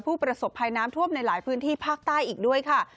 ผู้ประสบภัยน้ำท่วมในหลายพื้นที่ภาคใต้อีกด้วยค่ะ